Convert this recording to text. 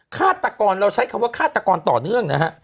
ฆาตกรเราใช้คำว่าฆาตกรต่อเนื่องนะฮะ